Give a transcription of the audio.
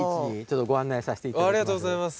ありがとうございます。